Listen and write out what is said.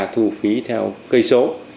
thu phí theo cây số